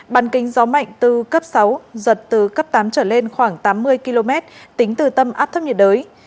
bàn kính gió mạnh từ cấp sáu giật từ cấp tám trở lên khoảng tám mươi km tính từ tâm áp thấp nhiệt đới